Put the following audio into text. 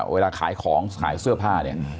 เวลาขายของขายเสื้อผ้าเนี่ย